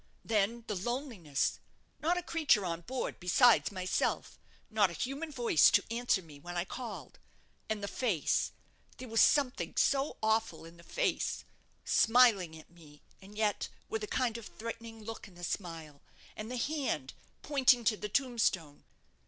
Then the loneliness; not a creature on board besides myself; not a human voice to answer me when I called. And the face there was something so awful in the face smiling at me, and yet with a kind of threatening look in the smile; and the hand pointing to the tombstone!